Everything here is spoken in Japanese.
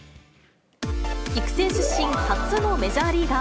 育成出身、初のメジャーリーガー。